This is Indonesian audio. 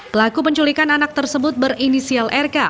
pelaku penculikan anak tersebut berinisial rk